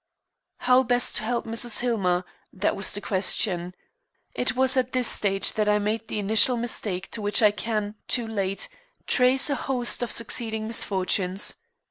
How best to help Mrs. Hillmer that was the question. It was at this stage I made the initial mistake to which I can, too late, trace a host of succeeding misfortunes.